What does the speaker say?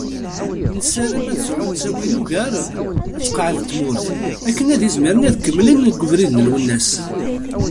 Nessaram ad sɛun ttawil ugar, ad tqeεεed tmurt akken ad izmiren ad kemmlen deg ubrid n Lwennas.